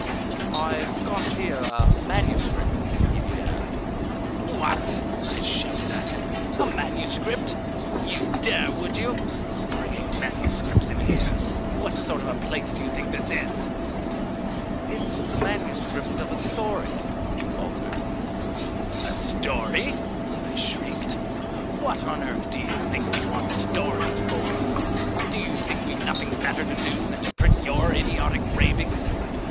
"I've got here a manuscript," he began. "What!" I shouted at him. "A manuscript! You'd dare, would you! Bringing manuscripts in here! What sort of a place do you think this is?" "It's the manuscript of a story," he faltered. "A story!" I shrieked. "What on earth do you think we'd want stories for! Do you think we've nothing better to do than to print your idiotic ravings?